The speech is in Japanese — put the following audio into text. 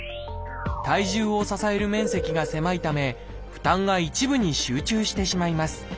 体重を支える面積が狭いため負担が一部に集中してしまいます。